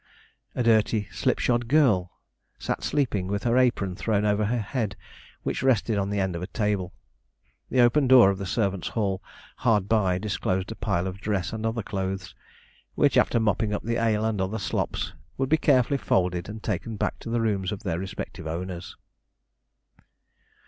A dirty slip shod girl sat sleeping, with her apron thrown over her head, which rested on the end of a table. The open door of the servants' hall hard by disclosed a pile of dress and other clothes, which, after mopping up the ale and other slops, would be carefully folded and taken back to the rooms of their respective owners.